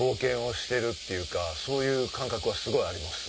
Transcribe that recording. そういう感覚はすごいあります。